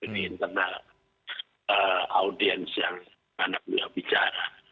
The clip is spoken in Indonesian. ini internal audiens yang anak anak bicara